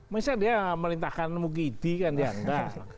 misalnya dia memerintahkan mukidi kan dia tidak